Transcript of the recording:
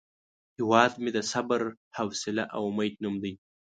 هیواد مې د صبر، حوصله او امید نوم دی